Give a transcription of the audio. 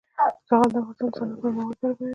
زغال د افغانستان د صنعت لپاره مواد برابروي.